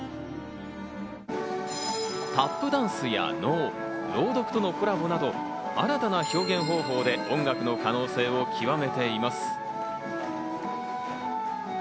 タップダンスや能、朗読とのコラボなど、新たな表現方法で音楽の可能性を極めています。